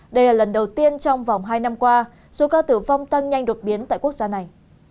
đây là lần đầu tiên trong vòng hai năm qua số ca tử vong tăng nhanh đột biến tại quốc gia này